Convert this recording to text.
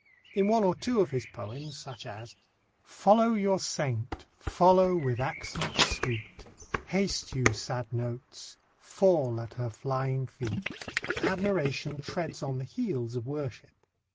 In one or two of his poems, such as: Follow your saint, follow with accents sweet; Haste you, sad notes, fall at her flying feet, admiration treads on the heels of worship.